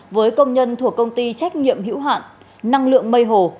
với công nhân thuộc công ty trách nhiệm hữu hạn năng lượng mây hồ